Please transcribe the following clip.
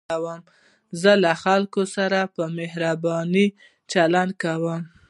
زه له خلکو سره په مهربانۍ چلند کوم.